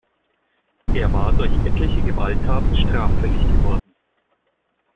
Er war durch etliche Gewalttaten straffällig geworden.